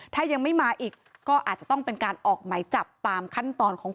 ถ้ายังไม่มาอีกก็อาจจะต้องเป็นการออกไหมจับตามขั้นตอนของ